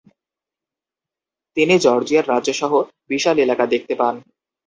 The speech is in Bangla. তিনি জর্জিয়ার রাজ্য সহ বিশাল এলাকা দেখতে পান।